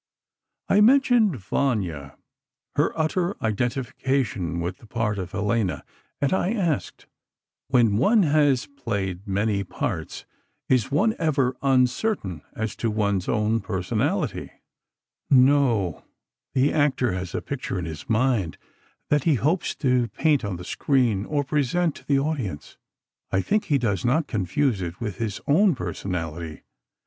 I mentioned "Vanya"—her utter identification with the part of Helena; and I asked: "When one has played many parts, is one ever uncertain as to one's own personality?" "N no. The actor has a picture in his mind that he hopes to paint on the screen or present to the audience. I think he does not confuse it with his own personality.